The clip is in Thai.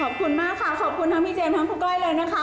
ขอบคุณมากค่ะขอบคุณทั้งพี่เจมส์ทั้งคุณก้อยเลยนะคะ